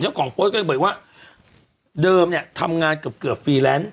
เจ้าของโพสต์ก็เลยบอกว่าเดิมเนี่ยทำงานเกือบเกือบฟรีแลนซ์